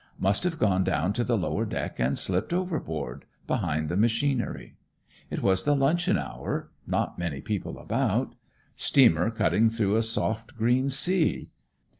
Must have gone down to the lower deck and slipped overboard, behind the machinery. It was the luncheon hour, not many people about; steamer cutting through a soft green sea.